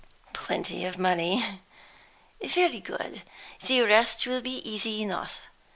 "Plenty of money." "Very good. The rest will be easy enough.